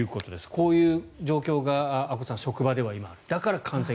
こういう状況が阿古さん職場では今ある。